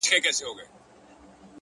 • خدايه سندرو کي مي ژوند ونغاړه ـ